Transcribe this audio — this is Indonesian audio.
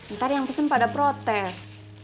ntar yang pesen pada protes